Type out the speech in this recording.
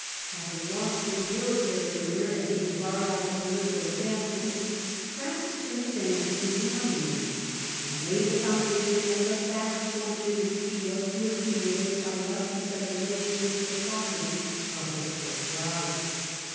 Having lost his military career, and being barred out of political advancement, Orassus turned his energies into money making, and laid the foundation of the vast fortune which he was to accumulate by lucky speculations in the property of the proscribed.